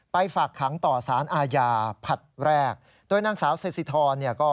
ไปฝากขังต่อศาลอาญาพัดแรกโดยนางสาวสะสิทร